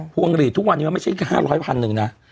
พวงหลีดทุกวันนี้ไม่ใช่แค่๕๐๐๐๐๐บาทนึงนะ